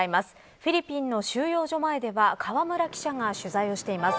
フィリピンの収容所前では河村記者が取材をしています。